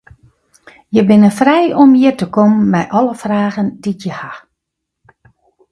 Je binne frij om hjir te kommen mei alle fragen dy't je ha.